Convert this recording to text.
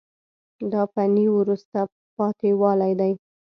دا فني وروسته پاتې والی ده.